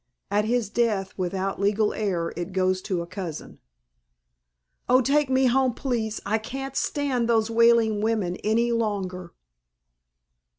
At his death, without legal heir, it goes to a cousin." "Oh, take me home, please. I can't stand those wailing women any longer."